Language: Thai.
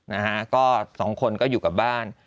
นะฮะก็สองคนก็อยู่กับบ้าน